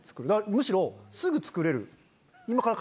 むしろすぐ作れる。